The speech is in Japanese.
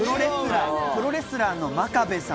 プロレスラーの真壁さん。